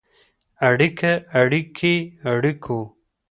اړیکه ، اړیکې، اړیکو.